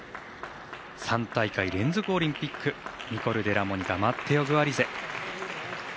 ３大会連続オリンピックニコル・デラモニカマッテオ・グアリゼ。